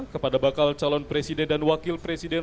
kepada bakal calon presiden dan wakil presiden